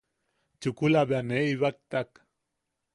Chukula ket bea nee ibaktak.